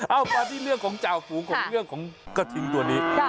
เอามาที่เรื่องของจ่าฝูงของเรื่องของกระทิงตัวนี้